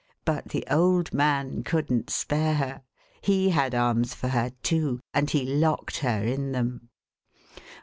But the old man couldn't spare her. He had arms for her too, and he locked her in them.